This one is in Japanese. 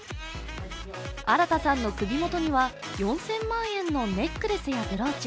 新田さんの首元には４０００万円のネックレスやブローチ。